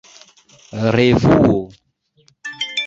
revuo